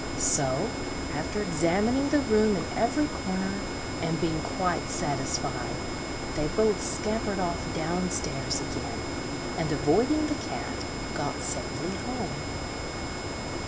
So, after examining the room in every corner, and being quite satisfied, they both scampered off down stairs again, and, avoiding the cat, got safely home.